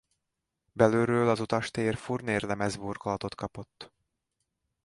Belülről az utastér furnérlemez-burkolatot kapott.